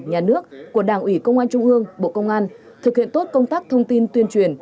nhà nước của đảng ủy công an trung ương bộ công an thực hiện tốt công tác thông tin tuyên truyền